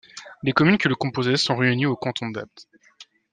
Les communes qui le composaient sont réunies au canton d'Apt.